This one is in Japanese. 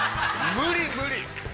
無理無理。